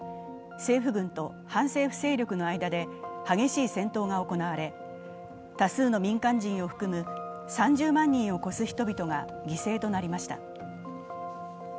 政府軍と反政府勢力の間で激しい戦闘が行われ多数の民間人を含む３０万人を超す人々が犠牲となりました。